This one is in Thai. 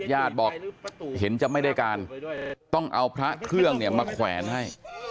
ญาติบอกเห็นจะไม่ได้การต้องเอาพระเครื่องเนี่ยมาแขวนให้